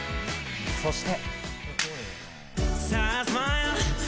そして。